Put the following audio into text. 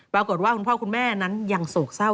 ปรากฏว่าคุณพ่อคุณแม่นั้นยังโศกเศร้า